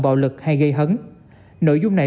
bạo lực hay gây hấn nội dung này